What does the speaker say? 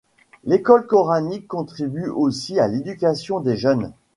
L'école coranique contribue aussi à l'éducation des jeunes.